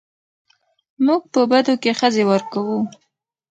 موږ په بدو کې ښځې ورکوو